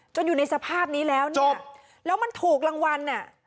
อยู่ในสภาพนี้แล้วเนี่ยแล้วมันถูกรางวัลอ่ะ